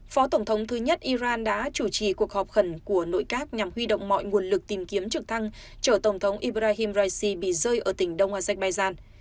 phó tổng thống thứ nhất iran đã chủ trì cuộc họp khẩn của nội các nhằm huy động mọi nguồn lực tìm kiếm trực thăng chở tổng thống ibrahim raisi bị rơi ở tỉnh đông azerbaijan